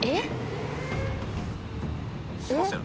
すいません。